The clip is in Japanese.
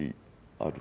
「ある」